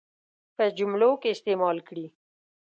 په جملو کې استعمال کړي.